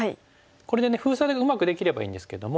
これで封鎖がうまくできればいいんですけども。